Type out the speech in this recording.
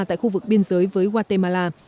tại khu vực biên giới với guatemala